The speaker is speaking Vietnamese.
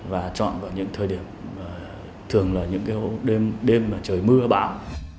và trọn vào những thời điểm thường là những đêm trời mưa bão